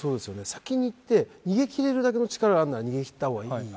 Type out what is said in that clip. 先に行って逃げきれるだけの力があるなら逃げきった方がいい。